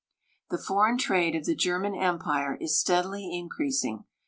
The foreign trade of the German empire is steadily increasing.